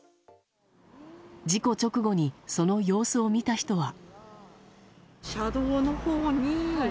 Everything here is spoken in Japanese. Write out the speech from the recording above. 事故直後にその様子を見た人は。